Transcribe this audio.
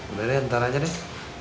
udah deh ntar aja deh